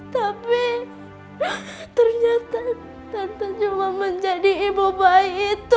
tapi ternyata tante cuma menjadi ibu baik itu